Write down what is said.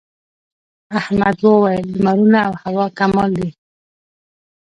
احمد وويل: لمرونه او هوا کمال دي.